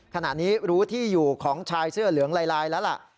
ขณะนี้รู้ที่อยู่ของชายเสื้อเหลืองลายแล้วล่ะ